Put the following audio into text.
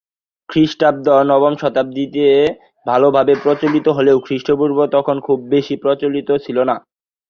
খ্রিস্টাব্দ নবম শতাব্দীতে ভালোভাবে প্রচলিত হলেও খ্রিস্টপূর্ব তখন খুব বেশি প্রচলিত ছিলো না।